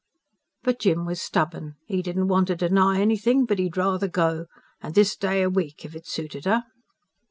But Jim was stubborn. 'E didn't want to deny anything. But 'e'd rather go. An' this day a week if it suited her.